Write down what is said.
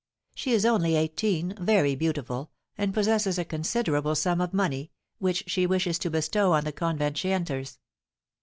She is only eighteen, very beautiful, and possesses a considerable sum of money, which she wishes to bestow on the convent she enters."